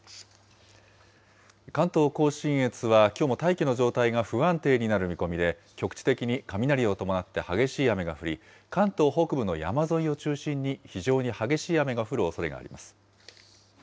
関東甲信越は、きょうも大気の状態が不安定になる見込みで、局地的に雷を伴って激しい雨が降り、関東北部の山沿いを中心に非常に激しい雨が降るおそれがあります。